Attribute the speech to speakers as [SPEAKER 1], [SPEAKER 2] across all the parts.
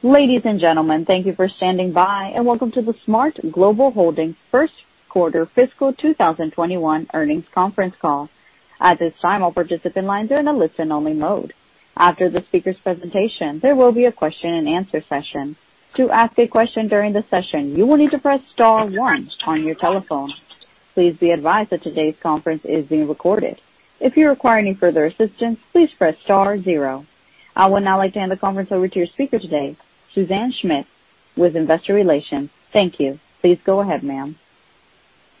[SPEAKER 1] Ladies and gentlemen, thank you for standing by, and welcome to the SMART Global Holdings first quarter fiscal 2021 earnings call. At this time, all participants have been placed in a listen-only mode. After the speaker's presentation, there would be a question and answer session. To ask a question during this session, you would need to press star one on your telephone. Please be advised that today's conference is being recorded. If you require any further assistance, please press star zero. I would now like to hand the conference over to your speaker today, Suzanne Schmidt with Investor Relations. Thank you. Please go ahead, ma'am.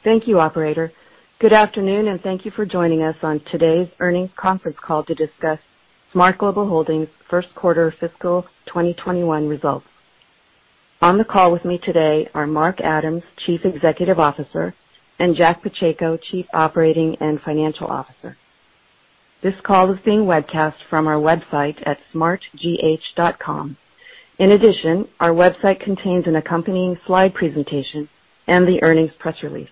[SPEAKER 2] Thank you, operator. Good afternoon, and thank you for joining us on today's earnings conference call to discuss SMART Global Holdings' first quarter fiscal 2021 results. On the call with me today are Mark Adams, Chief Executive Officer, and Jack Pacheco, Chief Operating and Financial Officer. This call is being webcast from our website at smartgh.com. In addition, our website contains an accompanying slide presentation and the earnings press release.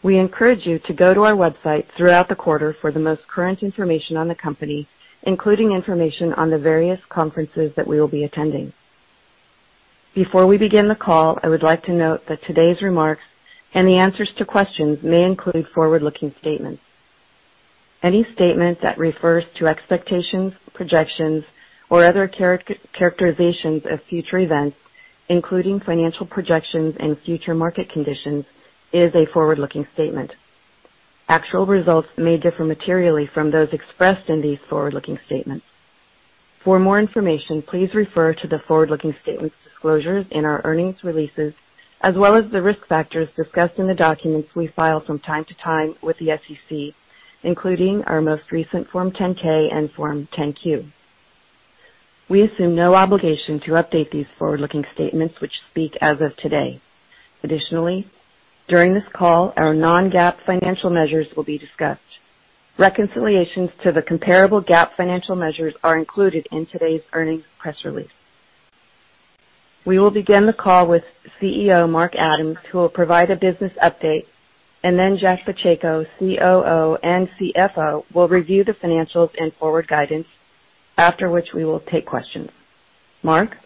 [SPEAKER 2] We encourage you to go to our website throughout the quarter for the most current information on the company, including information on the various conferences that we will be attending. Before we begin the call, I would like to note that today's remarks and the answers to questions may include forward-looking statements. Any statement that refers to expectations, projections, or other characterizations of future events, including financial projections and future market conditions, is a forward-looking statement. Actual results may differ materially from those expressed in these forward-looking statements. For more information, please refer to the forward-looking statements disclosures in our earnings releases, as well as the risk factors discussed in the documents we file from time to time with the SEC, including our most recent Form 10-K and Form 10-Q. We assume no obligation to update these forward-looking statements, which speak as of today. Additionally, during this call, our non-GAAP financial measures will be discussed. Reconciliations to the comparable GAAP financial measures are included in today's earnings press release. We will begin the call with CEO Mark Adams, who will provide a business update, and then Jack Pacheco, COO and CFO, will review the financials and forward guidance. After which we will take questions. Mark?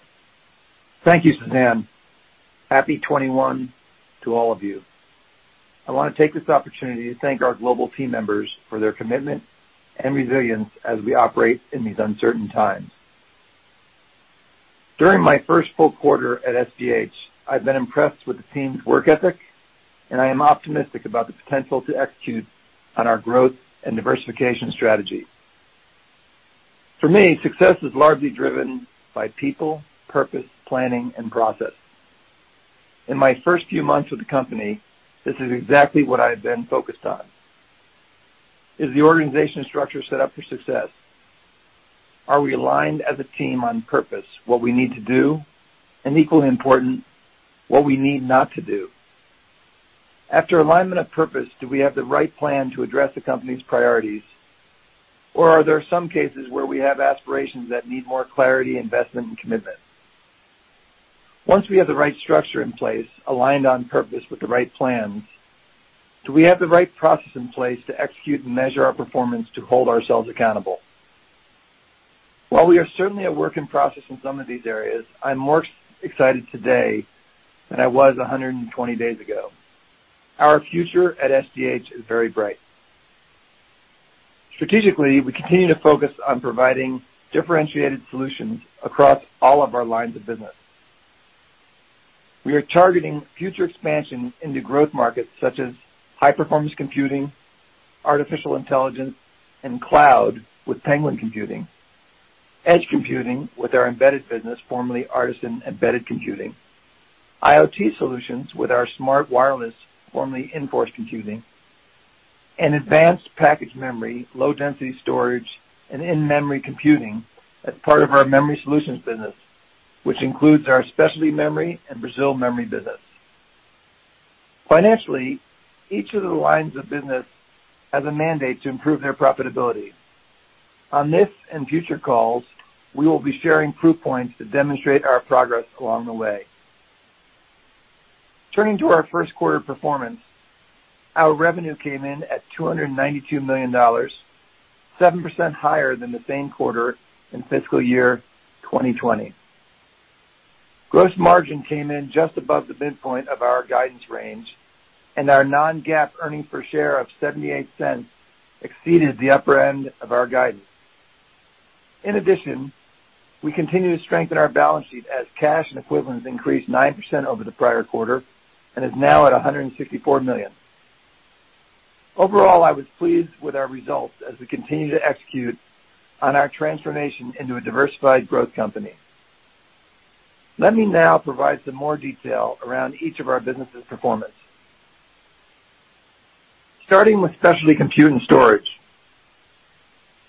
[SPEAKER 3] Thank you, Suzanne. Happy 2021 to all of you. I want to take this opportunity to thank our global team members for their commitment and resilience as we operate in these uncertain times. During my first full quarter at SGH, I've been impressed with the team's work ethic, and I am optimistic about the potential to execute on our growth and diversification strategy. For me, success is largely driven by people, purpose, planning, and process. In my first few months with the company, this is exactly what I've been focused on. Is the organization structure set up for success? Are we aligned as a team on purpose, what we need to do, and, equally important, what we need not to do? After alignment of purpose, do we have the right plan to address the company's priorities? Are there some cases where we have aspirations that need more clarity, investment, and commitment? Once we have the right structure in place, aligned on purpose with the right plans, do we have the right process in place to execute and measure our performance to hold ourselves accountable? While we are certainly a work in process in some of these areas, I'm more excited today than I was 120 days ago. Our future at SGH is very bright. Strategically, we continue to focus on providing differentiated solutions across all of our lines of business. We are targeting future expansion into growth markets such as high-performance computing, artificial intelligence, and cloud with Penguin Computing; edge computing with our embedded business, formerly Artesyn Embedded Computing; IoT solutions with our SMART Wireless, formerly Inforce Computing; and advanced package memory, low-density storage, and in-memory computing as part of our memory solutions business, which includes our specialty memory and Brazil memory business. Financially, each of the lines of business has a mandate to improve their profitability. On this and future calls, we will be sharing proof points that demonstrate our progress along the way. Turning to our first quarter performance, our revenue came in at $292 million, 7% higher than the same quarter in fiscal year 2020. Gross margin came in just above the midpoint of our guidance range, and our non-GAAP earnings per share of $0.78 exceeded the upper end of our guidance. We continue to strengthen our balance sheet as cash and equivalents increased 9% over the prior quarter and is now at $164 million. I was pleased with our results as we continue to execute on our transformation into a diversified growth company. Let me now provide some more detail around each of our businesses' performance. Starting with specialty compute and storage.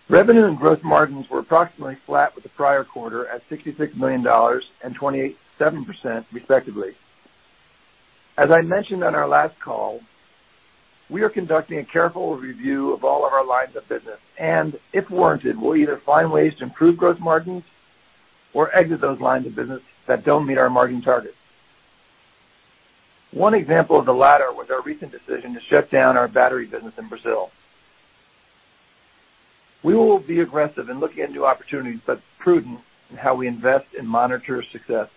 [SPEAKER 3] Revenue and growth margins were approximately flat with the prior quarter at $66 million and 27%, respectively. We are conducting a careful review of all of our lines of business, and if warranted, we'll either find ways to improve gross margins or exit those lines of business that don't meet our margin targets. One example of the latter was our recent decision to shut down our battery business in Brazil. We will be aggressive in looking at new opportunities but prudent in how we invest and monitor success.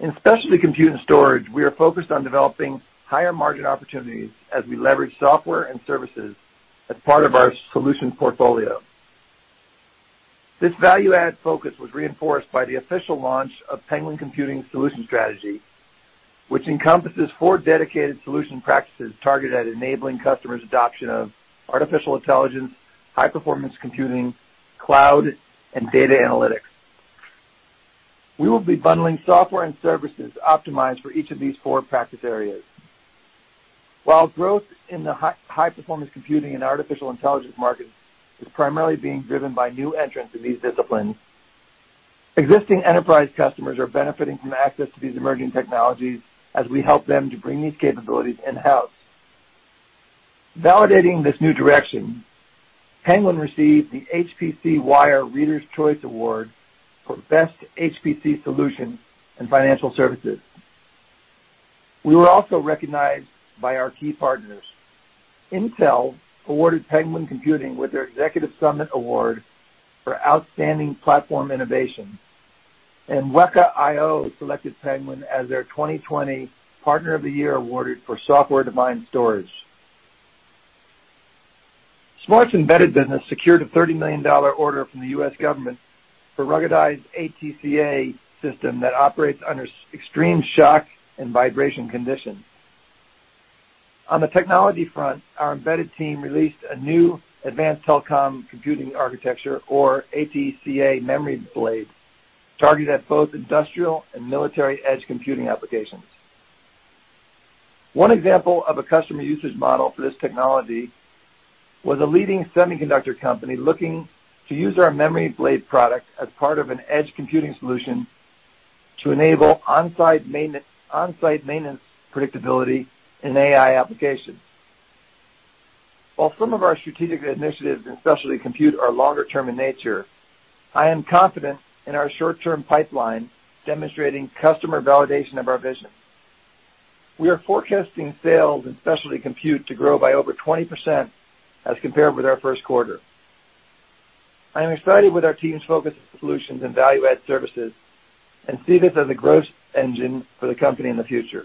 [SPEAKER 3] In Specialty Compute and Storage, we are focused on developing higher-margin opportunities as we leverage software and services as part of our solution portfolio. This value-add focus was reinforced by the official launch of Penguin Solutions' strategy, which encompasses four dedicated solution practices targeted at enabling customers' adoption of artificial intelligence, high-performance computing, cloud, and data analytics. We will be bundling software and services optimized for each of these four practice areas. While growth in the high-performance computing and artificial intelligence markets is primarily being driven by new entrants in these disciplines, existing enterprise customers are benefiting from access to these emerging technologies as we help them to bring these capabilities in-house. Validating this new direction, Penguin received the HPCwire Readers' Choice Award for Best HPC Solution in Financial Services. We were also recognized by our key partners. Intel awarded Penguin Computing with their Executive Summit Award for outstanding platform innovation. WekaIO selected Penguin as their 2020 Partner of the Year Award for Software-Defined Storage. SMART's Embedded business secured a $30 million order from the U.S. government for ruggedized ATCA system that operates under extreme shock and vibration conditions. On the technology front, our Embedded team released a new advanced telecom computing architecture, or ATCA memory blade, targeted at both industrial and military edge computing applications. One example of a customer usage model for this technology was a leading semiconductor company looking to use our memory blade product as part of an edge computing solution to enable on-site maintenance predictability in AI applications. While some of our strategic initiatives in Specialty Compute are longer-term in nature, I am confident in our short-term pipeline demonstrating customer validation of our vision. We are forecasting sales in Specialty Compute to grow by over 20% as compared with our first quarter. I am excited with our team's focus on solutions and value-add services and see this as a growth engine for the company in the future.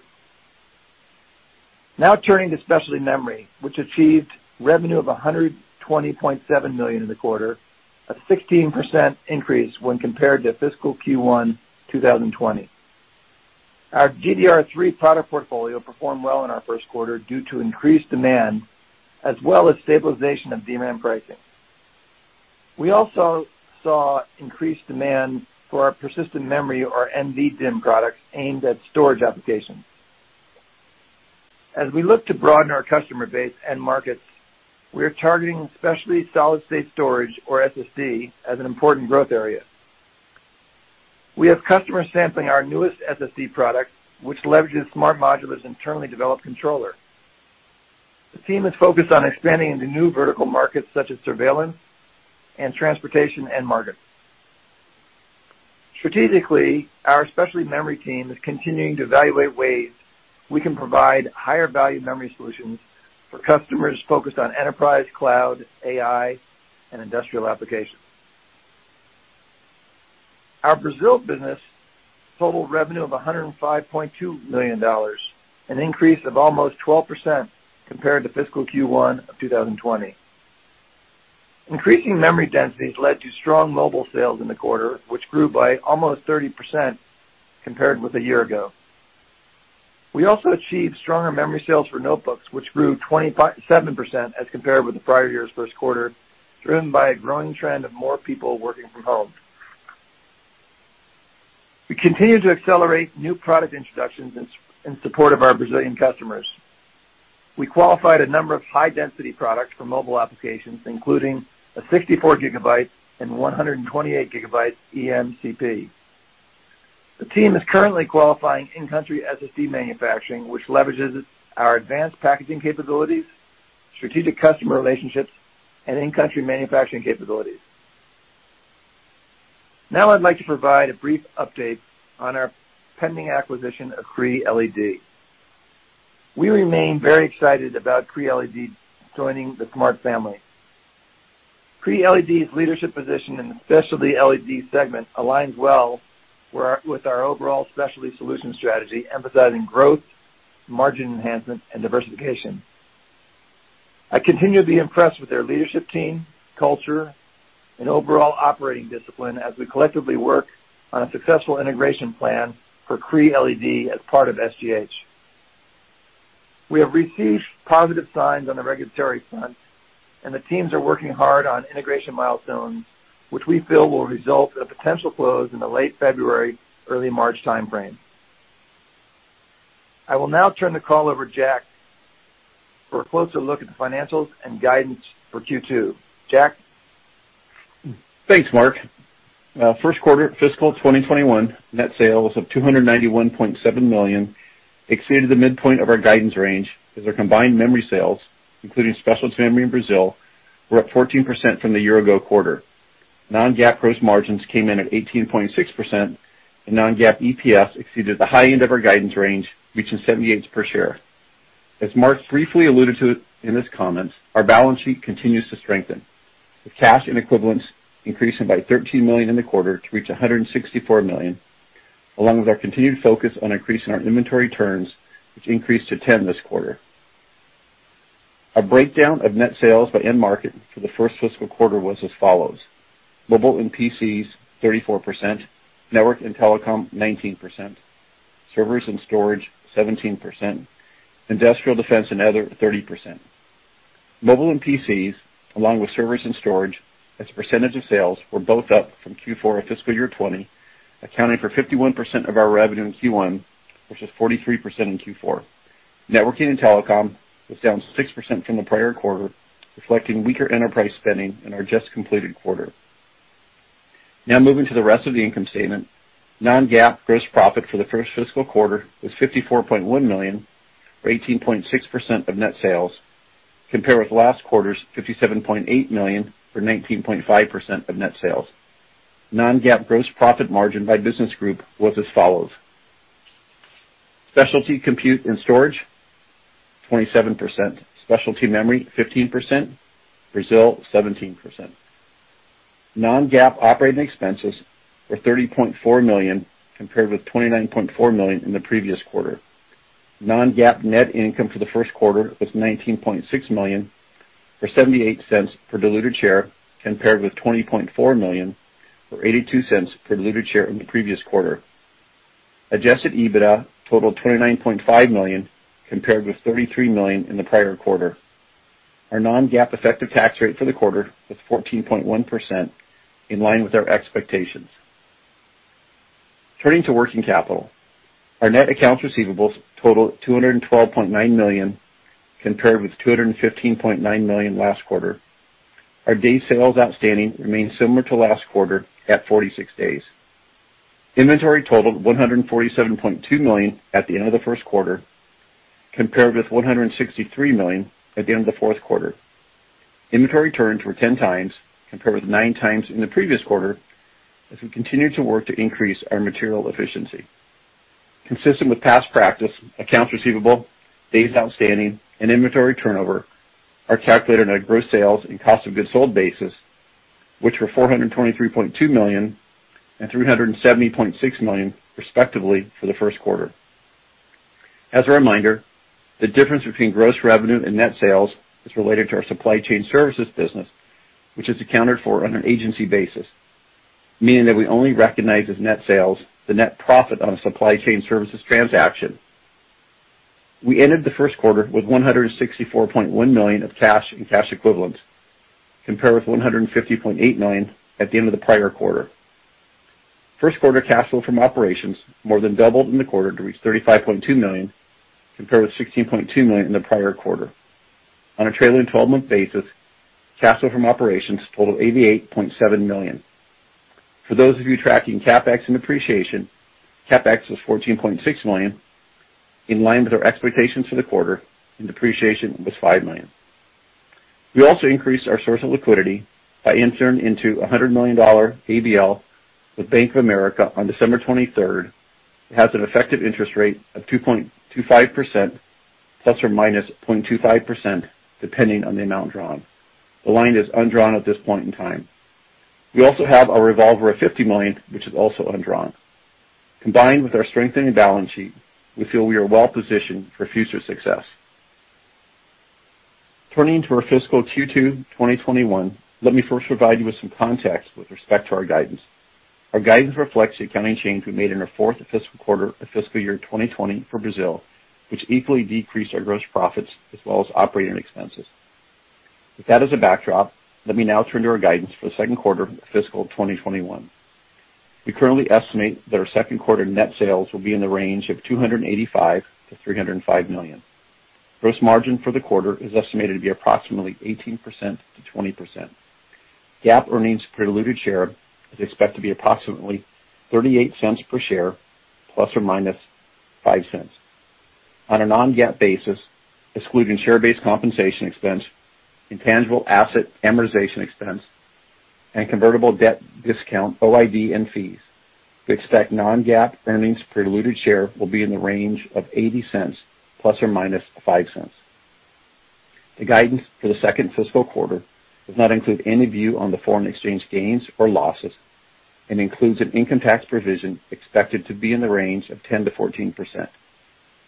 [SPEAKER 3] Now turning to Specialty Memory, which achieved revenue of $120.7 million in the quarter, a 16% increase when compared to fiscal Q1 2020. Our DDR3 product portfolio performed well in our first quarter due to increased demand, as well as stabilization of demand pricing. We also saw increased demand for our persistent memory, our NVDIMM products, aimed at storage applications. As we look to broaden our customer base and markets, we are targeting specialty solid-state storage, or SSD, as an important growth area. We have customers sampling our newest SSD product, which leverages SMART Modular's internally developed controller. The team is focused on expanding into new vertical markets such as surveillance and transportation end markets. Strategically, our Specialty Memory team is continuing to evaluate ways we can provide higher-value memory solutions for customers focused on enterprise, cloud, AI, and industrial applications. Our Brazil business totaled revenue of $105.2 million, an increase of almost 12% compared to fiscal Q1 2020. Increasing memory densities led to strong mobile sales in the quarter, which grew by almost 30% compared with a year ago. We also achieved stronger memory sales for notebooks, which grew 27% as compared with the prior year's first quarter, driven by a growing trend of more people working from home. We continue to accelerate new product introductions in support of our Brazilian customers. We qualified a number of high-density products for mobile applications, including a 64-gigabyte and 128-gigabyte eMCP. The team is currently qualifying in-country SSD manufacturing, which leverages our advanced packaging capabilities, strategic customer relationships, and in-country manufacturing capabilities. I'd like to provide a brief update on our pending acquisition of Cree LED. We remain very excited about Cree LED joining the SMART family. Cree LED's leadership position in the specialty LED segment aligns well with our overall specialty solution strategy, emphasizing growth, margin enhancement, and diversification. I continue to be impressed with their leadership team, culture, and overall operating discipline as we collectively work on a successful integration plan for Cree LED as part of SGH. We have received positive signs on the regulatory front; the teams are working hard on integration milestones, which we feel will result in a potential close in the late February, early March timeframe. I will now turn the call over to Jack for a closer look at the financials and guidance for Q2. Jack?
[SPEAKER 4] Thanks, Mark. In the first quarter of fiscal 2021, net sales of $291.7 million exceeded the midpoint of our guidance range as our combined memory sales, including specialty memory in Brazil, were up 14% from the year-ago quarter. Non-GAAP gross margins came in at 18.6%, and non-GAAP EPS exceeded the high end of our guidance range, reaching $0.78 per share. As Mark briefly alluded to in his comments, our balance sheet continues to strengthen, with cash and equivalents increasing by $13 million in the quarter to reach $164 million, along with our continued focus on increasing our inventory turns, which increased to 10 this quarter. A breakdown of net sales by end market for the first fiscal quarter was as follows. Mobile and PCs, 34%. Network and Telecom, 19%. Servers and Storage, 17%. Industrial, Defense, and Other, 30%. Mobile and PCs, along with servers and storage, as a percentage of sales, were both up from Q4 of fiscal year 2020, accounting for 51% of our revenue in Q1, versus 43% in Q4. Networking and Telecom was down 6% from the prior quarter, reflecting weaker enterprise spending in our just-completed quarter. Now moving to the rest of the income statement. Non-GAAP gross profit for the first fiscal quarter was $54.1 million, or 18.6% of net sales, compared with last quarter's $57.8 million, or 19.5% of net sales. Non-GAAP gross profit margin by business group was as follows: Specialty Compute and Storage, 27%; Specialty Memory, 15%; Brazil, 17%. Non-GAAP operating expenses were $30.4 million, compared with $29.4 million in the previous quarter. Non-GAAP net income for the first quarter was $19.6 million, or $0.78 per diluted share, compared with $20.4 million, or $0.82 per diluted share in the previous quarter. Adjusted EBITDA totaled $29.5 million, compared with $33 million in the prior quarter. Our non-GAAP effective tax rate for the quarter was 14.1%, in line with our expectations. Turning to working capital, our net accounts receivables totaled $212.9 million, compared with $215.9 million last quarter. Our day sales outstanding remained similar to last quarter's, at 46 days. Inventory totaled $147.2 million at the end of the first quarter, compared with $163 million at the end of the fourth quarter. Inventory turns were 10 times, compared with nine times in the previous quarter, as we continue to work to increase our material efficiency. Consistent with past practice, accounts receivable, days outstanding, and inventory turnover are calculated on a gross sales and cost of goods sold basis, which were $423.2 million and $370.6 million, respectively, for the first quarter. As a reminder, the difference between gross revenue and net sales is related to our supply chain services business, which is accounted for on an agency basis, meaning that we only recognize as net sales the net profit on a supply chain services transaction. We ended the first quarter with $164.1 million of cash and cash equivalents, compared with $150.8 million at the end of the prior quarter. First quarter cash flow from operations more than doubled in the quarter to reach $35.2 million, compared with $16.2 million in the prior quarter. On a trailing 12-month basis, cash flow from operations totaled $88.7 million. For those of you tracking CapEx and depreciation, CapEx was $14.6 million, in line with our expectations for the quarter, and depreciation was $5 million. We also increased our source of liquidity by entering into a $100 million ABL with Bank of America on December 23rd. It has an effective interest rate of 2.25% ± 0.25%, depending on the amount drawn. The line is undrawn at this point in time. We also have a revolver of $50 million, which is also undrawn. Combined with our strengthening balance sheet, we feel we are well-positioned for future success. Turning to our fiscal Q2 2021, let me first provide you with some context with respect to our guidance. Our guidance reflects the accounting change we made in our fourth fiscal quarter of fiscal year 2020 for Brazil, which equally decreased our gross profits as well as operating expenses. With that as a backdrop, let me now turn to our guidance for the second quarter of fiscal 2021. We currently estimate that our second quarter net sales will be in the range of $285 million-$305 million. Gross margin for the quarter is estimated to be approximately 18%-20%. GAAP earnings per diluted share is expected to be approximately $0.38 per share, ±$0.05. On a non-GAAP basis, excluding share-based compensation expense, intangible asset amortization expense, and convertible debt discount, OID, and fees, we expect non-GAAP earnings per diluted share will be in the range of $0.80 ± $0.05. The guidance for the second fiscal quarter does not include any view on the foreign exchange gains or losses and includes an income tax provision expected to be in the range of 10%-14%.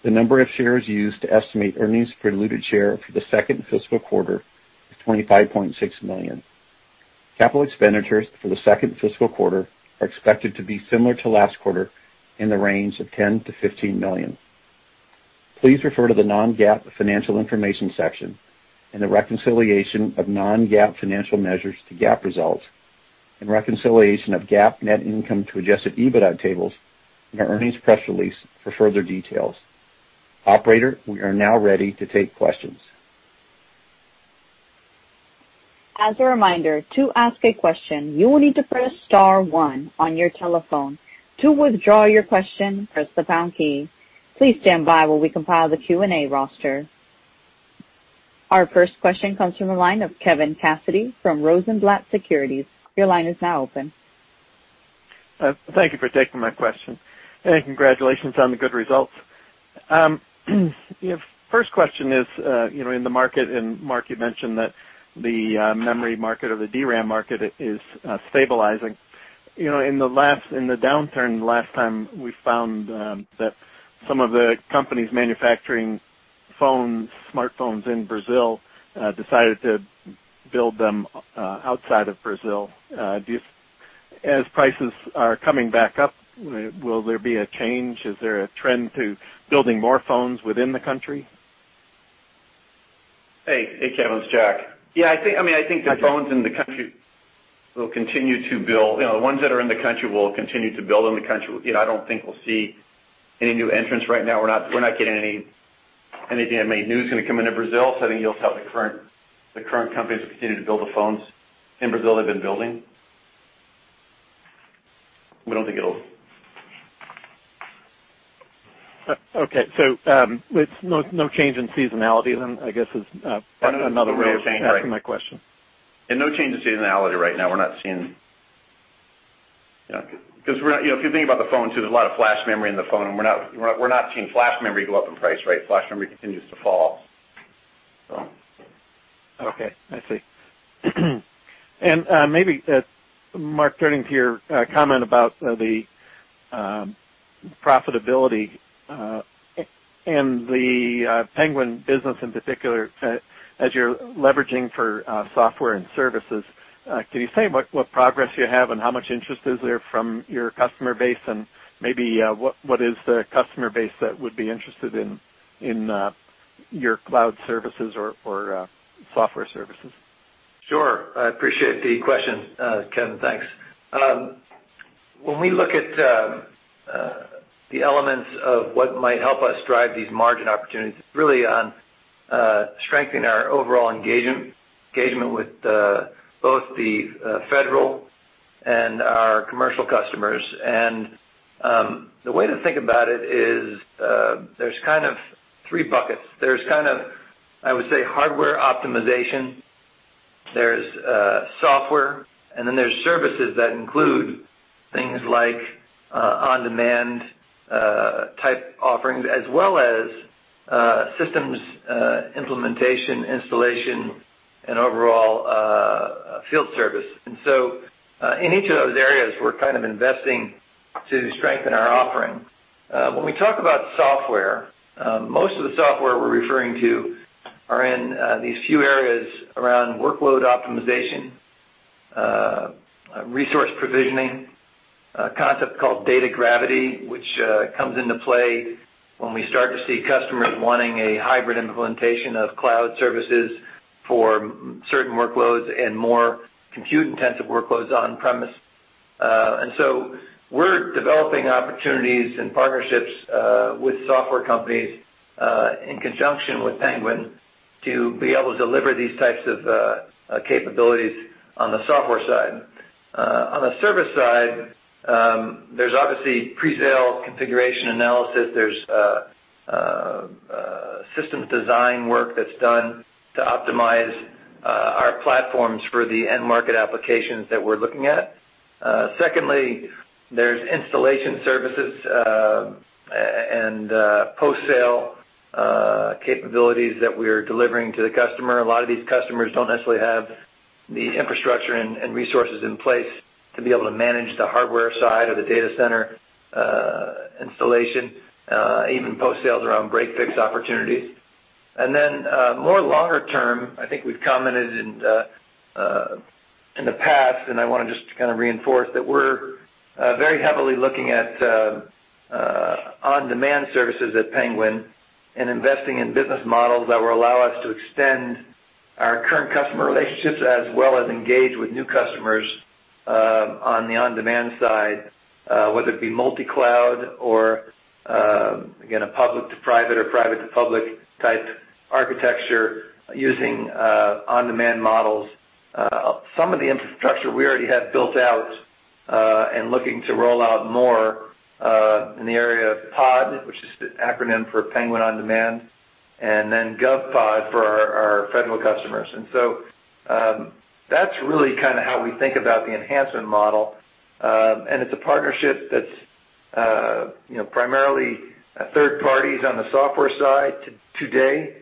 [SPEAKER 4] The number of shares used to estimate earnings per diluted share for the second fiscal quarter is 25.6 million. Capital expenditures for the second fiscal quarter are expected to be similar to last quarter, in the range of $10 million-$15 million. Please refer to the Non-GAAP Financial Information section and the Reconciliation of Non-GAAP Financial Measures to GAAP Results and Reconciliation of GAAP Net Income to Adjusted EBITDA tables in our earnings press release for further details. Operator, we are now ready to take questions.
[SPEAKER 1] As a reminder, to ask a question, you will need to press star one on your telephone. To withdraw your question, you will need to press the pound key. Please be on standby as we compile the Q&A roster. Our first question comes from the line of Kevin Cassidy from Rosenblatt Securities.
[SPEAKER 5] Thank you for taking my question. Congratulations on the good results. First question is, in the market, Mark, you mentioned that the memory market, or the DRAM market, is stabilizing. In the downturn last time, we found that some of the companies manufacturing smartphones in Brazil decided to build them outside of Brazil. As prices are coming back up, will there be a change? Is there a trend to building more phones within the country?
[SPEAKER 4] Hey, Kevin, it's Jack. I think the phones in the country will continue to build. The ones that are in the country will continue to build in the country. I don't think we'll see any new entrants right now. We're not getting any DNA news going to come into Brazil, so I think you'll have the current companies will continue to build the phones in Brazil they've been building. We don't think it'll
[SPEAKER 5] Okay. It's no change in seasonality, then, I guess is another way of answering my question.
[SPEAKER 4] No change in seasonality right now. If you think about the phone too, there's a lot of flash memory in the phone; we're not seeing flash memory go up in price, right? Flash memory continues to fall.
[SPEAKER 5] Okay. I see. Maybe, Mark, turning to your comment about the profitability and the Penguin business in particular, as you're leveraging for software and services, can you say what progress you have and how much interest is there from your customer base? Maybe. What is the customer base that would be interested in your cloud services or software services?
[SPEAKER 3] Sure. I appreciate the question, Kevin. Thanks. When we look at the elements of what might help us drive these margin opportunities, it's really on strengthening our overall engagement with both the federal and our commercial customers. The way to think about it is, there's kind of three buckets. There's kind of, I would say, hardware optimization; there's software; and then there's services that include things like on-demand type offerings, as well as systems implementation, installation, and overall field service. In each of those areas, we're kind of investing to strengthen our offering. When we talk about software, most of the software we're referring to are in these few areas around workload optimization, resource provisioning, a concept called "data gravity," which comes into play when we start to see customers wanting a hybrid implementation of cloud services for certain workloads and more compute-intensive workloads on-premise. We're developing opportunities and partnerships with software companies, in conjunction with Penguin, to be able to deliver these types of capabilities on the software side. On the service side, there's obviously presale configuration analysis. There's systems design work that's done to optimize our platforms for the end-market applications that we're looking at. Secondly, there's installation services and post-sale capabilities that we're delivering to the customer. A lot of these customers don't necessarily have the infrastructure and resources in place to be able to manage the hardware side of the data center installation, even post-sales around break-fix opportunities. Then, more longer term, I think we've commented in the past, and I want to just kind of reinforce that we're very heavily looking at on-demand services at Penguin and investing in business models that will allow us to extend our current customer relationships, as well as engage with new customers on the on-demand side, whether it be multi-cloud or, again, a public-to-private or private-to-public type architecture using on-demand models. Some of the infrastructure we already have built out and looking to roll out more, in the area of POD, which is the acronym for Penguin On-Demand, and then GovPOD for our federal customers. That's really kind of how we think about the enhancement model. It's a partnership that's primarily third parties on the software side today.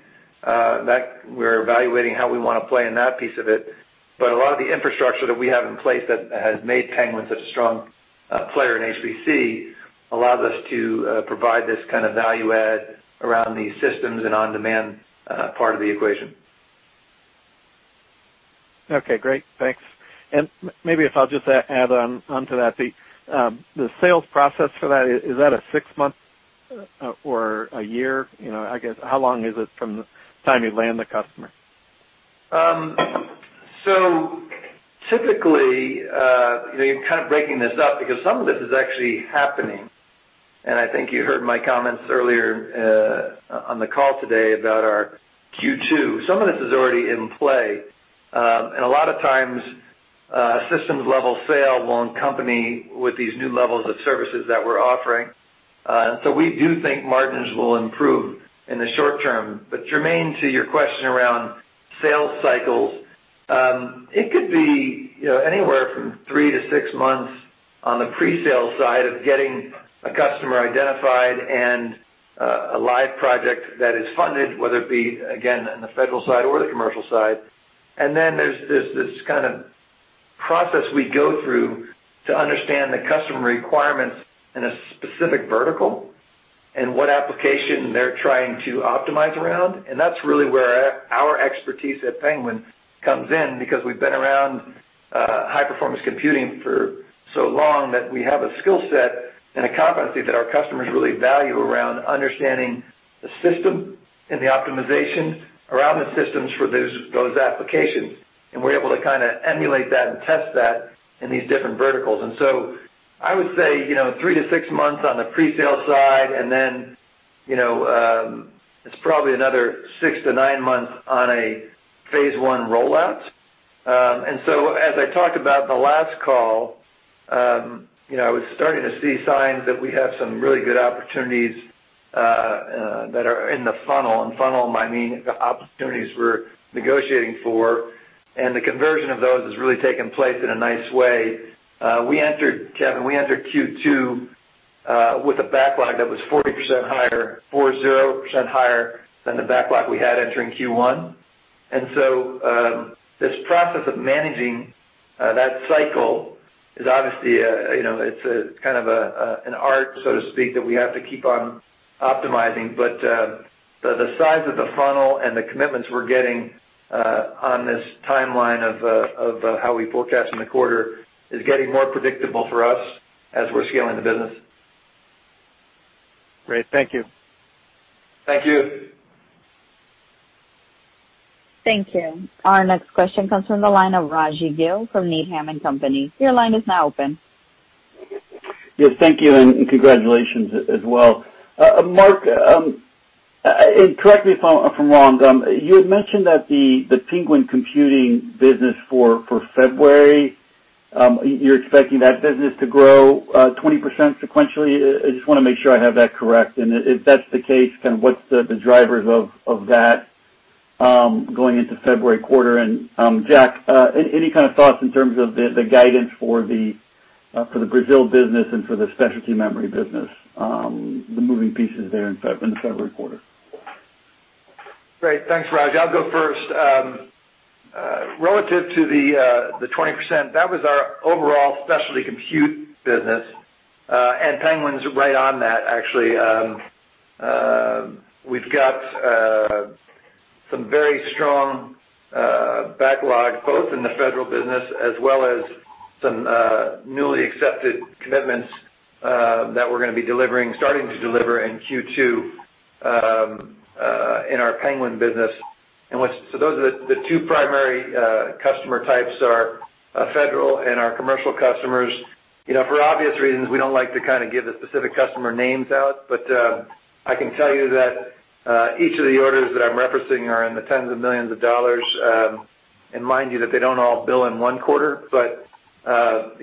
[SPEAKER 3] We're evaluating how we want to play in that piece of it. A lot of the infrastructure that we have in place that has made Penguin such a strong player in HPC allows us to provide this kind of value-add around these systems and on-demand part of the equation.
[SPEAKER 5] Okay, great. Thanks. Maybe if I'll just add onto that, the sales process for that, is that a six months or a year? I guess how long is it from the time you land the customer?
[SPEAKER 3] Typically, kind of breaking this up, because some of this is actually happening, and I think you heard my comments earlier on the call today about our Q2. Some of this is already in play. A systems-level sale will accompany with these new levels of services that we're offering. We do think margins will improve in the short term. Germain, to your question around sales cycles, it could be anywhere from three to six months on the presale side of getting a customer identified and a live project that is funded, whether it be, again, in the federal side or the commercial side. There's this kind of process we go through to understand the customer requirements in a specific vertical and what application they're trying to optimize around. That's really where our expertise at Penguin comes in, because we've been around high-performance computing for so long that we have a skill set and a competency that our customers really value around understanding the system and the optimization around the systems for those applications. We're able to emulate that and test that in these different verticals. I would say three to six months on the presale side, and then it's probably another six to nine months on a phase one rollout. As I talked about in the last call, I was starting to see signs that we have some really good opportunities that are in the funnel. In funnel, I mean the opportunities we're negotiating for, and the conversion of those has really taken place in a nice way. Kevin, we entered Q2 with a backlog that was 40% higher, 40% higher than the backlog we had entering Q1. This process of managing that cycle is obviously, it's kind of an art, so to speak, that we have to keep on optimizing. The size of the funnel and the commitments we're getting on this timeline of how we forecast in the quarter is getting more predictable for us as we're scaling the business.
[SPEAKER 5] Great. Thank you.
[SPEAKER 3] Thank you.
[SPEAKER 1] Thank you. Our next question comes from the line of Raji Gill from Needham & Company. Your line is now open.
[SPEAKER 6] Yes, thank you. Congratulations as well. Mark, correct me if I'm wrong; you had mentioned that the Penguin Computing business for February, you're expecting that business to grow 20% sequentially. I just want to make sure I have that correct. If that's the case, what's the drivers of that going into February quarter? Jack, any kind of thoughts in terms of the guidance for the Brazil business and for the specialty memory business, the moving pieces there in the February quarter?
[SPEAKER 3] Great. Thanks, Raj. I'll go first. Relative to the 20%, that was our overall specialty compute business. Penguin's right on that, actually. We've got some very strong backlog, both in the federal business as well as some newly accepted commitments that we're going to be starting to deliver in Q2 in our Penguin business. Those are the two primary customer types are our federal and our commercial customers. For obvious reasons, we don't like to give the specific customer names out, but I can tell you that each of the orders that I'm referencing are in the tens of millions of dollars. Mind you, that they don't all bill in one quarter.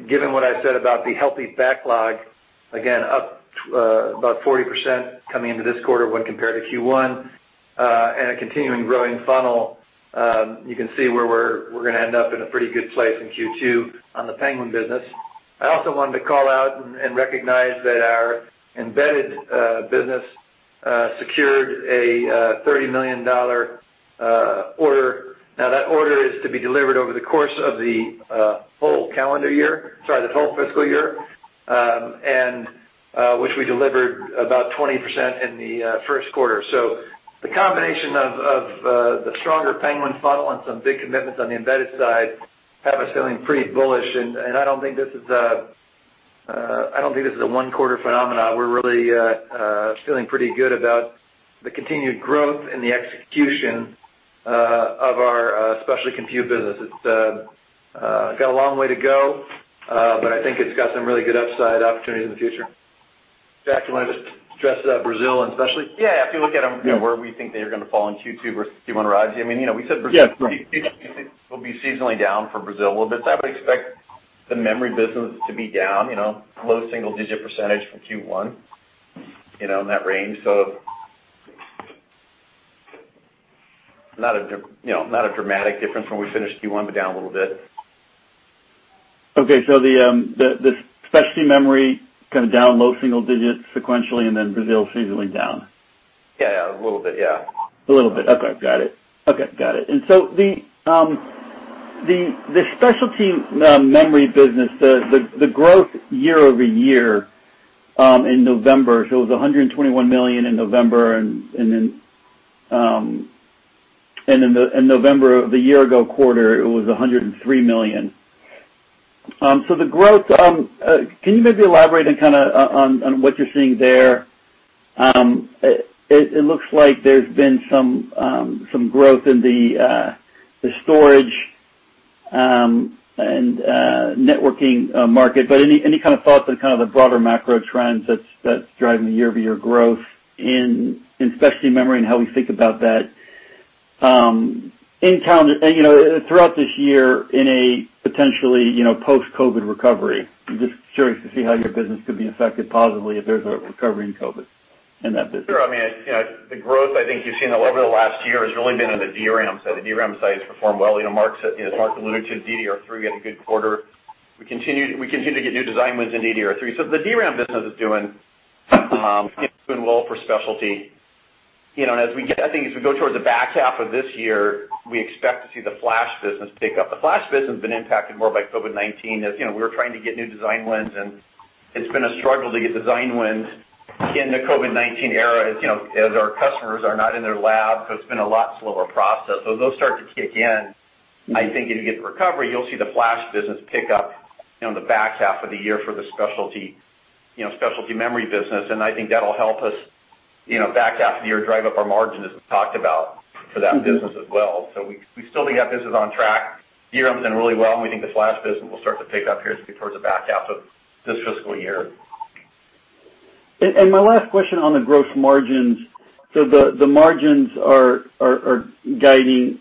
[SPEAKER 3] Given what I said about the healthy backlog, again, up about 40% coming into this quarter when compared to Q1, and a continuing growing funnel, you can see where we're going to end up in a pretty good place in Q2 on the Penguin business. I also wanted to call out and recognize that our embedded business secured a $30 million order. That order is to be delivered over the course of the whole fiscal year, and which we delivered about 20% in the first quarter. The combination of the stronger Penguin funnel and some big commitments on the embedded side have us feeling pretty bullish, and I don't think this is a one-quarter phenomenon. We're really feeling pretty good about the continued growth and the execution of our specialty compute business. It's got a long way to go, but I think it's got some really good upside opportunities in the future. Jack, do you want to just address Brazil and specialty?
[SPEAKER 4] Yeah. If you look at them, where we think they are going to fall in Q2 versus Q1, Raji, we said Brazil will be seasonally down for Brazil a little bit, so I would expect the memory business to be down low single-digit percentage from Q1, in that range. Not a dramatic difference from when we finished Q1, but down a little bit.
[SPEAKER 6] Okay. The specialty memory down low single digits sequentially, and then Brazil seasonally down.
[SPEAKER 4] Yeah. A little bit. Yeah.
[SPEAKER 6] A little bit. Okay. Got it. The specialty memory business, the growth year-over-year in November, so it was $121 million in November, and then in November of the year ago quarter, it was $103 million. The growth, can you maybe elaborate on what you're seeing there? It looks like there's been some growth in the storage and networking market, but any thoughts on the broader macro trends that's driving the year-over-year growth in specialty memory and how we think about that? Throughout this year, in a potentially post-COVID-19 recovery, I'm just curious to see how your business could be affected positively if there's a recovery in COVID-19 in that business.
[SPEAKER 4] Sure. The growth, I think you've seen over the last year, has really been in the DRAM side. The DRAM side has performed well. Mark alluded to DDR3 had a good quarter. We continue to get new design wins in DDR3. The DRAM business is doing well for specialty. I think as we go towards the back half of this year, we expect to see the flash business pick up. The flash business has been impacted more by COVID-19, as we were trying to get new design wins, and it's been a struggle to get design wins in the COVID-19 era, as our customers are not in their lab, so it's been a lot slower process. Those start to kick in. I think as you get the recovery, you'll see the flash business pick up in the back half of the year for the specialty memory business. I think that'll help us, back half of the year, drive up our margin, as we talked about, for that business as well. We still think that business is on track. DRAM's doing really well, and we think the flash business will start to pick up here as we get towards the back half of this fiscal year.
[SPEAKER 6] My last question on the gross margins. The margins are guiding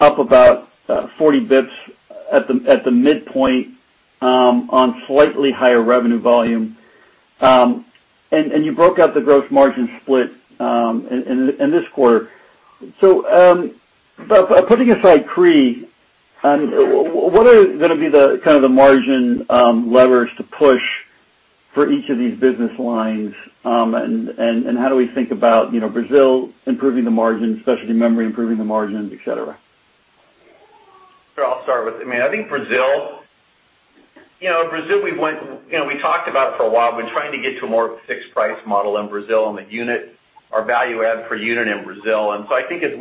[SPEAKER 6] up about 40 bps at the midpoint on slightly higher revenue volume. You broke out the gross margin split in this quarter. Putting aside Cree, what are going to be the kind of the margin levers to push for each of these business lines? How do we think about Brazil improving the margins, specialty memory improving the margins, et cetera?
[SPEAKER 4] Sure. I'll start with I think, Brazil; we talked about it for a while. We're trying to get to a more fixed price model in Brazil on the unit, our value add per unit in Brazil. I think as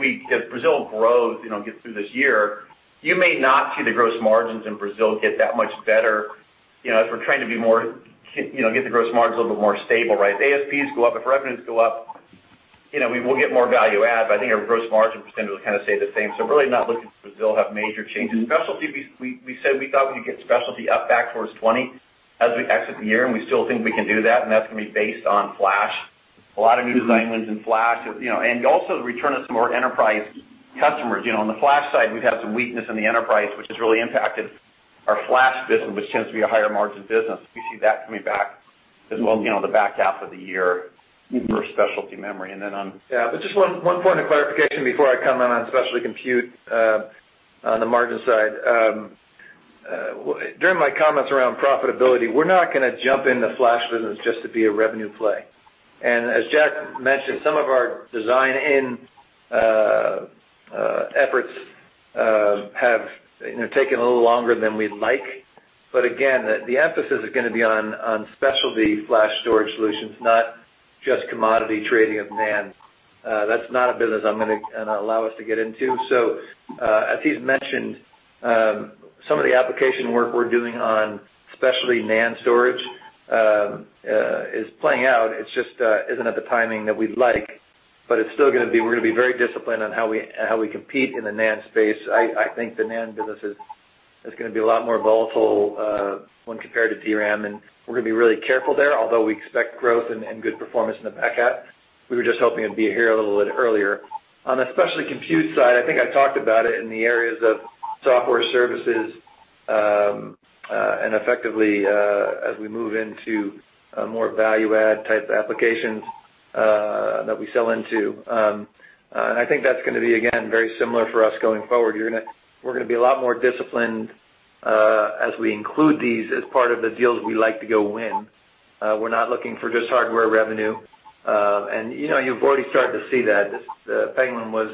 [SPEAKER 4] Brazil grows, gets through this year, you may not see the gross margins in Brazil get that much better, as we're trying to get the gross margins a little bit more stable, right? If ASPs go up, if revenues go up, we will get more value add, but I think our gross margin percentage will kind of stay the same. Really not looking to Brazil to have major changes. Specialty, we said we thought we could get specialty up back towards 20 as we exit the year, and we still think we can do that, and that's going to be based on flash. A lot of new design wins in flash, and also the return of some more enterprise customers. On the flash side, we've had some weakness in the enterprise, which has really impacted our flash business, which tends to be a higher-margin business. We see that coming back as well, the back half of the year for specialty memory.
[SPEAKER 3] Yeah. Just one point of clarification before I comment on specialty compute on the margin side. As Jack mentioned, some of our design in efforts have taken a little longer than we'd like. Again, the emphasis is going to be on specialty flash storage solutions, not just commodity trading of NAND. That's not a business I'm going to allow us to get into. As he's mentioned, some of the application work we're doing on specialty NAND storage is playing out. It just isn't at the timing that we'd like. We're going to be very disciplined on how we compete in the NAND space. I think the NAND business is gonna be a lot more volatile when compared to DRAM, and we're gonna be really careful there, although we expect growth and good performance in the back half. We were just hoping it'd be here a little bit earlier. On the specialty compute side, I think I talked about it in the areas of software services and, effectively, as we move into more value add type applications that we sell into. I think that's gonna be, again, very similar for us going forward. We're gonna be a lot more disciplined as we include these as part of the deals we like to go win. We're not looking for just hardware revenue. You've already started to see that. Penguin was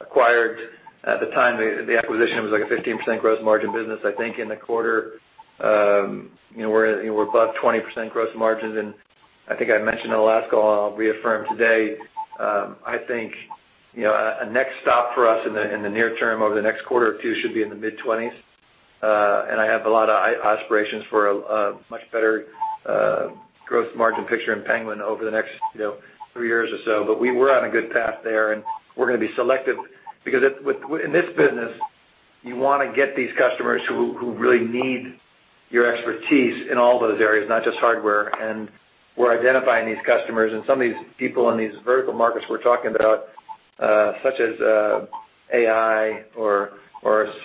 [SPEAKER 3] acquired. At the time the acquisition, it was like a 15% gross margin business. I think in the quarter, we're above 20% gross margins. I think I mentioned in the last call, and I'll reaffirm today, I think a next stop for us in the near term, over the next quarter or two, should be in the mid-20s. I have a lot of aspirations for a much better gross margin picture in Penguin over the next three years or so. We were on a good path there, and we're going to be selective, because in this business, you want to get these customers who really need your expertise in all those areas, not just hardware. We're identifying these customers and some of these people in these vertical markets we're talking about, such as AI or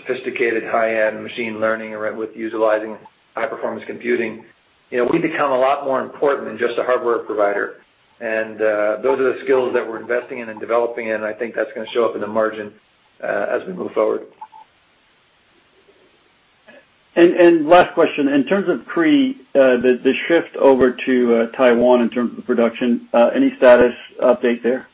[SPEAKER 3] sophisticated high-end machine learning with utilizing high-performance computing. We become a lot more important than just a hardware provider. Those are the skills that we're investing in and developing in, and I think that's gonna show up in the margin as we move forward.
[SPEAKER 6] Last question, in terms of Cree, the shift over to Taiwan in terms of production, any status update there?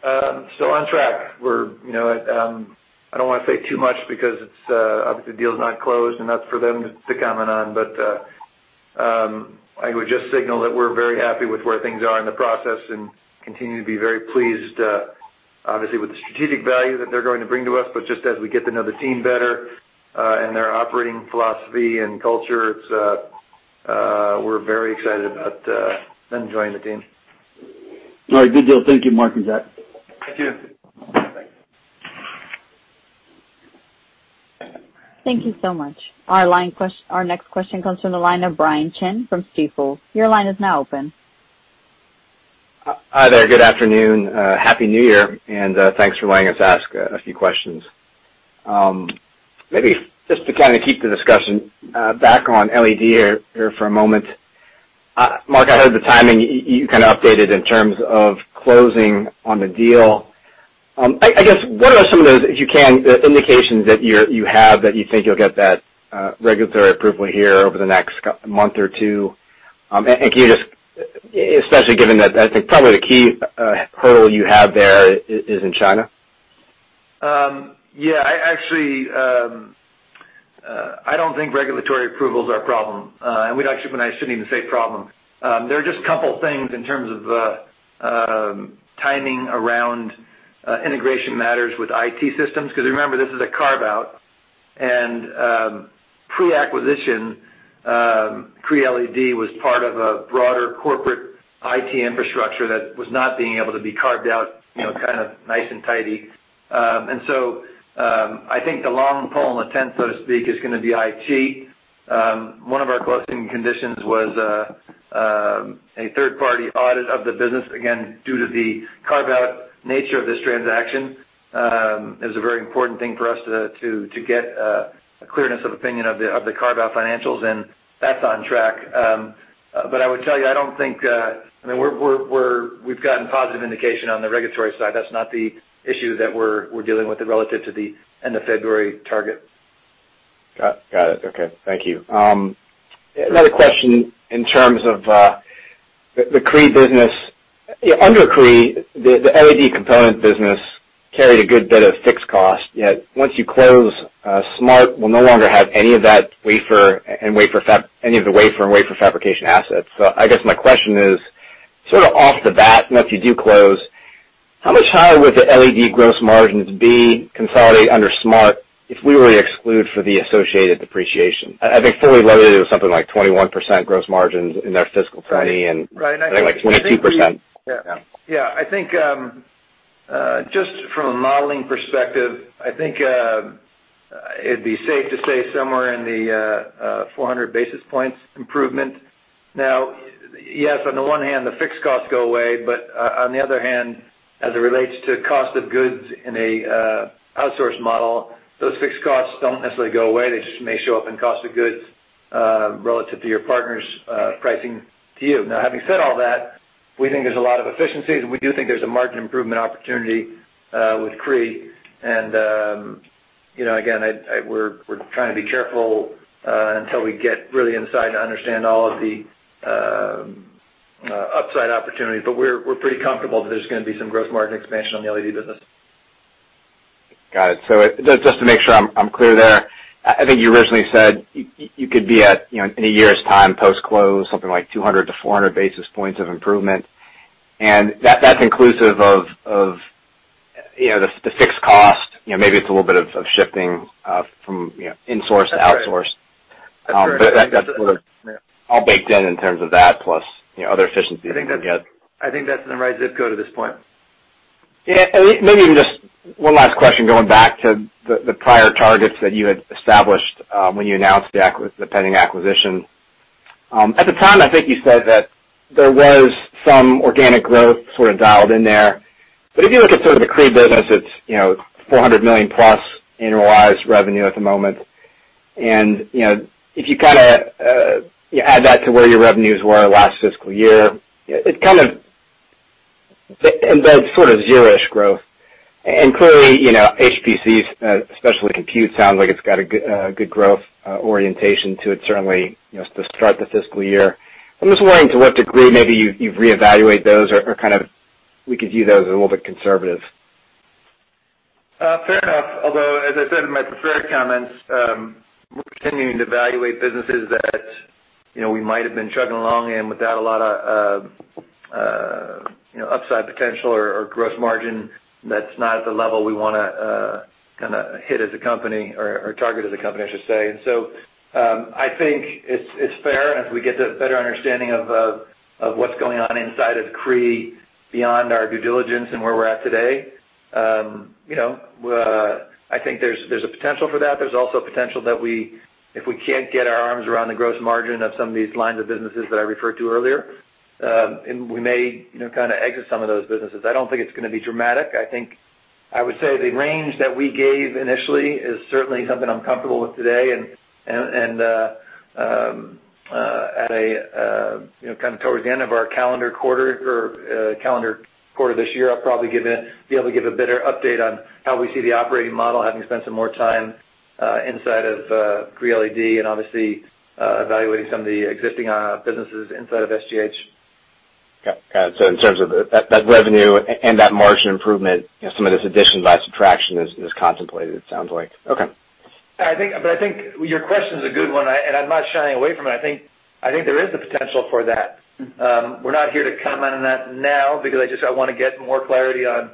[SPEAKER 3] Still on track. I don't want to say too much because obviously the deal's not closed, and that's for them to comment on. I would just signal that we're very happy with where things are in the process and continue to be very pleased, obviously, with the strategic value that they're going to bring to us. Just as we get to know the team better and their operating philosophy and culture, we're very excited about them joining the team.
[SPEAKER 6] All right. Good deal. Thank you, Mark and Jack.
[SPEAKER 4] Thank you.
[SPEAKER 3] Thanks.
[SPEAKER 1] Thank you so much. Our next question comes from the line of Brian Chin from Stifel. Your line is now open.
[SPEAKER 7] Hi there. Good afternoon. Happy New Year, and thanks for letting us ask a few questions. Maybe just to keep the discussion back on LED here for a moment. Mark, I heard the timing you updated in terms of closing on the deal. I guess what are some of those, if you can, the indications that you have that you think you'll get that regulatory approval here over the next month or two? Can you just, especially given that, I think probably the key hurdle you have there is in China?
[SPEAKER 3] Yeah. I don't think regulatory approval is our problem. Actually, I shouldn't even say "problem." There are just a couple of things in terms of timing around integration matters with IT systems, because remember, this is a carve-out, and pre-acquisition, Cree LED was part of a broader corporate IT infrastructure that was not being able to be carved out, kind of nice and tidy. I think the long pole in the tent, so to speak, is going to be IT. One of our closing conditions was a third-party audit of the business, again, due to the carve-out nature of this transaction. It was a very important thing for us to get a clearness of opinion of the carve-out financials, and that's on track. I would tell you we've gotten positive indication on the regulatory side. That's not the issue that we're dealing with relative to the end of February target.
[SPEAKER 7] Got it. Okay. Thank you. Another question in terms of the Cree business. Under Cree, the LED component business carried a good bit of fixed cost, yet once you close, SMART will no longer have any of the wafer and wafer-fabrication assets. I guess my question is, sort of off the bat, if you do close, how much higher would the LED gross margins be consolidated under SMART if we were to exclude for the associated depreciation? I think fully weighted, it was something like 21% gross margin in their fiscal 2020.
[SPEAKER 3] Right.
[SPEAKER 7] I think 22%.
[SPEAKER 3] Yeah. I think, just from a modeling perspective, I think it'd be safe to say somewhere in the 400 basis points improvement. Yes, on the one hand, the fixed costs go away, but on the other hand, as it relates to cost of goods in an outsourced model, those fixed costs don't necessarily go away. They just may show up in cost of goods, relative to your partner's pricing to you. Having said all that, we think there's a lot of efficiencies, and we do think there's a margin improvement opportunity with Cree, and again, we're trying to be careful until we get really inside to understand all of the upside opportunities. We're pretty comfortable that there's going to be some gross margin expansion on the LED business.
[SPEAKER 7] Got it. Just to make sure I'm clear there, I think you originally said you could be at, in a year's time post-close, something like 200 to 400 basis points of improvement. That's inclusive of the fixed cost; maybe it's a little bit of shifting from insourced to outsourced.
[SPEAKER 3] That's right.
[SPEAKER 7] That's sort of all baked in terms of that, plus other efficiencies that you get.
[SPEAKER 3] I think that's in the right zip code at this point.
[SPEAKER 7] Yeah. Maybe even just one last question, going back to the prior targets that you had established when you announced the pending acquisition. At the time, I think you said that there was some organic growth sort of dialed in there. If you look at sort of the Cree business, it's $400 million-plus annualized revenue at the moment. If you add that to where your revenues were last fiscal year, it's sort of zero-ish growth. Clearly, HPC, especially compute, sounds like it's got a good growth orientation to it, certainly to start the fiscal year. I'm just wondering to what degree maybe you've reevaluated those or we could view those as a little bit conservative.
[SPEAKER 3] Fair enough. As I said in my prepared comments, we're continuing to evaluate businesses that we might have been chugging along in without a lot of upside potential or gross margin that's not at the level we want to hit as a company or target as a company, I should say. I think it's fair, and as we get a better understanding of what's going on inside of Cree, beyond our due diligence and where we're at today, I think there's a potential for that. There's also a potential that if we can't get our arms around the gross margin of some of these lines of businesses that I referred to earlier, we may exit some of those businesses. I don't think it's going to be dramatic. I would say the range that we gave initially is certainly something I'm comfortable with today. Towards the end of our calendar quarter this year, I'll probably be able to give a better update on how we see the operating model, having spent some more time inside of Cree LED and obviously evaluating some of the existing businesses inside of SGH.
[SPEAKER 7] Got it. In terms of that revenue and that margin improvement, some of this addition by subtraction is contemplated, it sounds like. Okay.
[SPEAKER 3] I think your question's a good one, and I'm not shying away from it. I think there is the potential for that. We're not here to comment on that now because I want to get more clarity on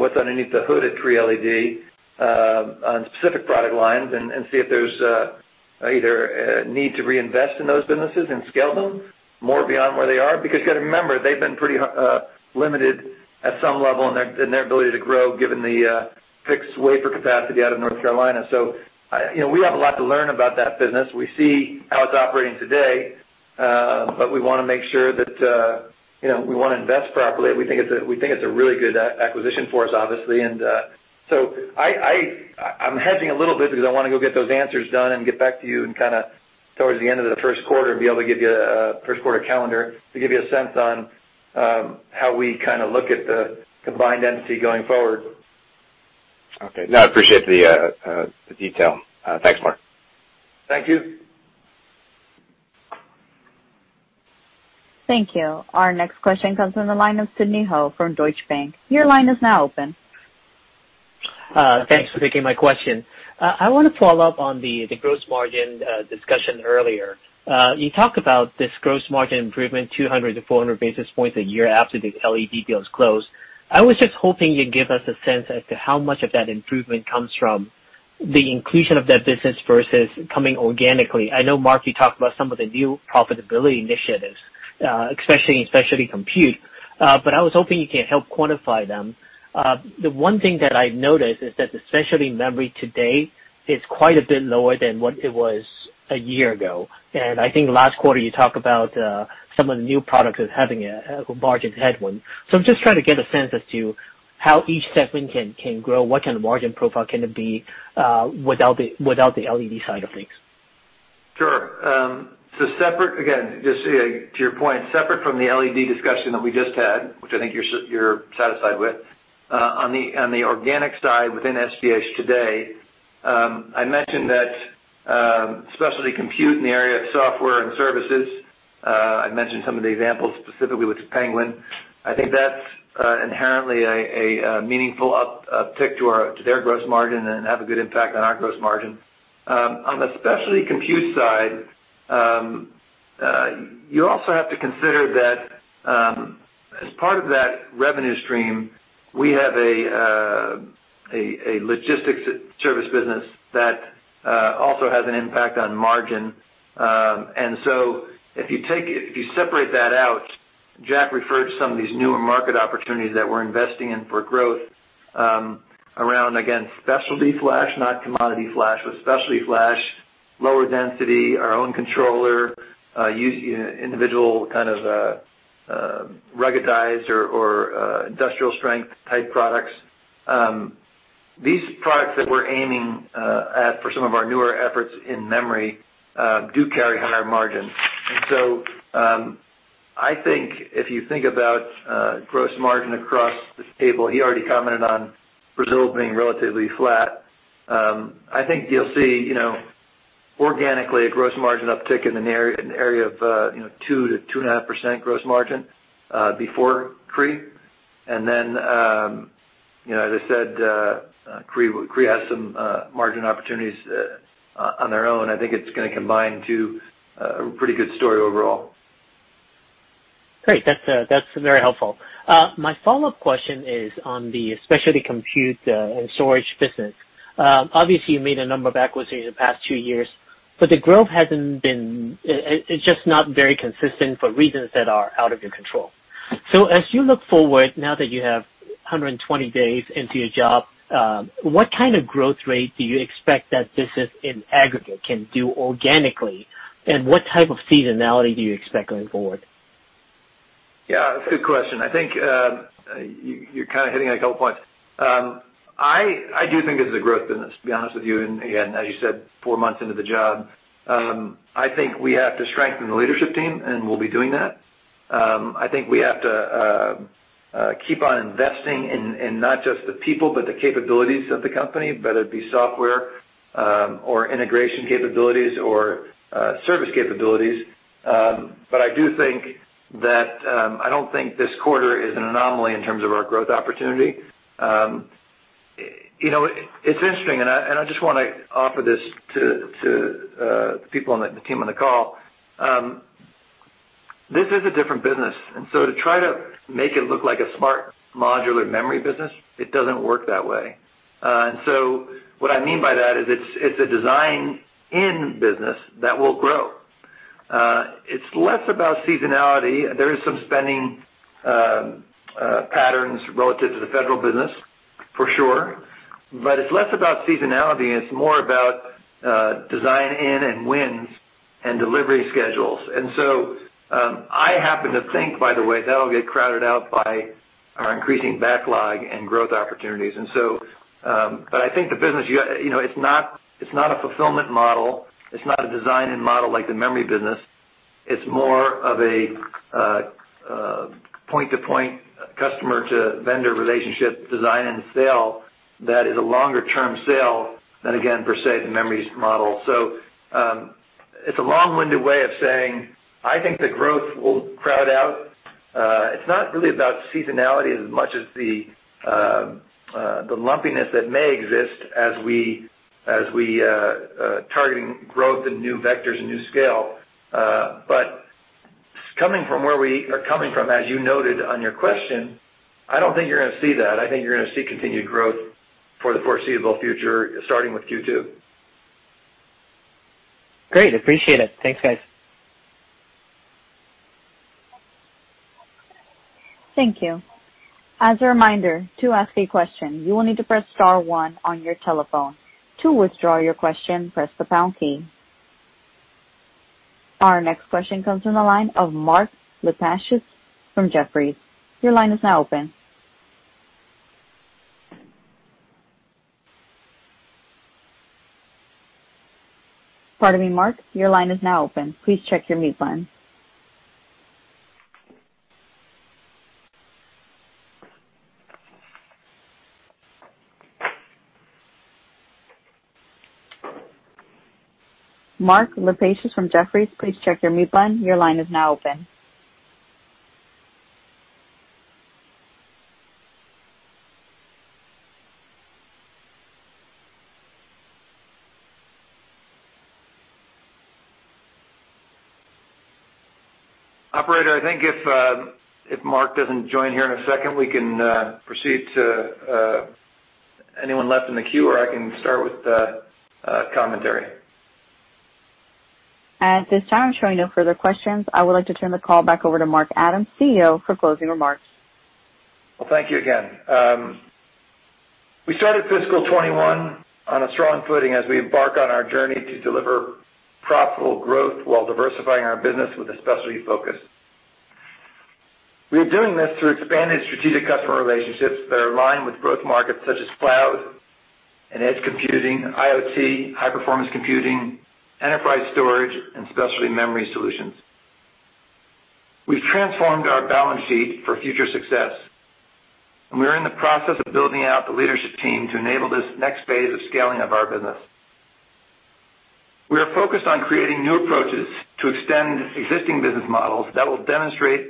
[SPEAKER 3] what's underneath the hood at Cree LED on specific product lines and see if there's either a need to reinvest in those businesses and scale them more beyond where they are. You got to remember, they've been pretty limited at some level in their ability to grow, given the fixed wafer capacity out of North Carolina. We have a lot to learn about that business. We see how it's operating today, but we want to make sure that we want to invest properly. We think it's a really good acquisition for us, obviously. I'm hedging a little bit because I want to go get those answers done and get back to you towards the end of the first quarter, be able to give you a first-quarter calendar to give you a sense on how we look at the combined entity going forward.
[SPEAKER 7] Okay. No, I appreciate the detail. Thanks, Mark.
[SPEAKER 3] Thank you.
[SPEAKER 1] Thank you. Our next question comes from the line of Sidney Ho from Deutsche Bank. Your line is now open.
[SPEAKER 8] Thanks for taking my question. I want to follow up on the gross margin discussion earlier. You talked about this gross margin improvement, 200-400 basis points a year after the LED deal is closed. I was just hoping you'd give us a sense as to how much of that improvement comes from the inclusion of that business versus coming organically. I know, Mark, you talked about some of the new profitability initiatives, especially in specialty compute. I was hoping you can help quantify them. The one thing that I've noticed is that the specialty memory today is quite a bit lower than what it was a year ago. I think last quarter you talked about some of the new products as having a margin headwind. I'm just trying to get a sense as to how each segment can grow, what kind of margin profile can it be, without the LED side of things.
[SPEAKER 3] Sure. Separate, again, just to your point, separate from the LED discussion that we just had, which I think you're satisfied with. On the organic side within SGH today, I mentioned that specialty compute in the area of software and services; I mentioned some of the examples specifically with Penguin. I think that's inherently a meaningful uptick to their gross margin and have a good impact on our gross margin. On the specialty compute side, you also have to consider that, as part of that revenue stream, we have a logistics service business that also has an impact on margin. If you separate that out, Jack referred to some of these newer market opportunities that we're investing in for growth around, again, specialty flash, not commodity flash, but specialty flash, lower density, our own controller, and individual kind of ruggedized or industrial strength type products. These products that we're aiming at for some of our newer efforts in memory do carry higher margins. I think if you think about gross margin across the table, he already commented on Brazil being relatively flat. I think you'll see, organically, a gross margin uptick in an area of 2%-2.5% gross margin before Cree. As I said, Cree has some margin opportunities on their own. I think it's going to combine to a pretty good story overall.
[SPEAKER 8] Great. That's very helpful. My follow-up question is on the specialty compute and storage business. Obviously, you made a number of acquisitions in the past two years; the growth it's just not very consistent for reasons that are out of your control. As you look forward, now that you have 120 days into your job, what kind of growth rate do you expect that business in aggregate can do organically? What type of seasonality do you expect going forward?
[SPEAKER 3] Yeah, good question. I think you're kind of hitting on a couple points. I do think it's a growth business, to be honest with you. Again, as you said, four months into the job, I think we have to strengthen the leadership team, and we'll be doing that. I think we have to keep on investing in not just the people, but the capabilities of the company, whether it be software or integration capabilities or service capabilities. I don't think this quarter is an anomaly in terms of our growth opportunity. It's interesting, and I just want to offer this to the people on the team on the call. This is a different business, and so to try to make it look like a SMART Modular memory business, it doesn't work that way. What I mean by that is it's a design in business that will grow. It's less about seasonality. There is some spending patterns relative to the federal business for sure. It's less about seasonality, and it's more about design-ins and wins and delivery schedules. I happen to think, by the way, that'll get crowded out by our increasing backlog and growth opportunities. I think the business, it's not a fulfillment model. It's not a design-in model like the memory business. It's more of a point-to-point customer-to-vendor relationship design and sale that is a longer-term sale than, again, per se, the memories model. It's a long-winded way of saying I think the growth will crowd out. It's not really about seasonality as much as the lumpiness that may exist as we are targeting growth in new vectors and new scale. Coming from where we are coming from, as you noted on your question, I don't think you're going to see that. I think you're going to see continued growth for the foreseeable future, starting with Q2.
[SPEAKER 8] Great. Appreciate it. Thanks, guys.
[SPEAKER 1] Thank you. As a reminder, to ask a question, you will need to press star one on your telephone. To withdraw your question, press the pound key. Our next question comes from the line of Mark Lipacis from Jefferies. Your line is now open. Pardon me, Mark. Your line is now open. Please check your mute button. Mark Lipacis from Jefferies, please check your mute button. Your line is now open.
[SPEAKER 3] Operator, I think if Mark doesn't join here in a second, we can proceed to anyone left in the queue, or I can start with commentary.
[SPEAKER 1] At this time, I'm showing no further questions. I would like to turn the call back over to Mark Adams, CEO, for closing remarks.
[SPEAKER 3] Well, thank you again. We started fiscal 2021 on a strong footing as we embark on our journey to deliver profitable growth while diversifying our business with a specialty focus. We are doing this through expanded strategic customer relationships that are aligned with growth markets such as cloud and edge computing, IoT, high-performance computing, enterprise storage, and specialty memory solutions. We've transformed our balance sheet for future success, and we are in the process of building out the leadership team to enable this next phase of scaling of our business. We are focused on creating new approaches to extend existing business models that will demonstrate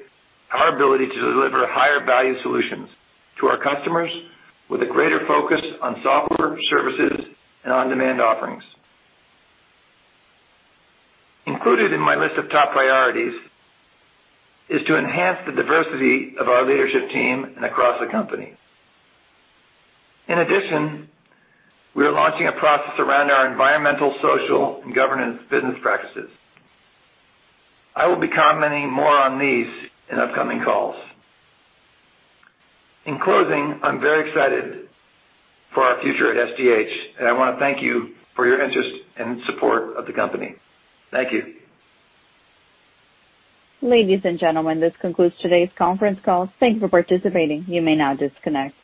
[SPEAKER 3] our ability to deliver higher-value solutions to our customers, with a greater focus on software services and on-demand offerings. Included in my list of top priorities is to enhance the diversity of our leadership team and across the company. In addition, we are launching a process around our environmental, social, and governance business practices. I will be commenting more on these in upcoming calls. In closing, I'm very excited for our future at SGH, and I want to thank you for your interest and support of the company. Thank you.
[SPEAKER 1] Ladies and gentlemen, this concludes today's conference call. Thank you for participating. You may now disconnect.